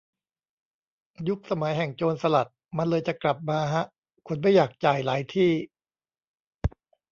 ยุคสมัยแห่งโจรสลัดมันเลยจะกลับมาฮะ คนไม่อยากจ่ายหลายที่